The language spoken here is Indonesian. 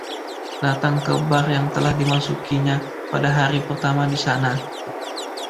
datang ke bar yang telah dimasukinya pada hari pertama di sana.